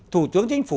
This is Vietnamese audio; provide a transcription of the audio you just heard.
thủ tướng chính phủ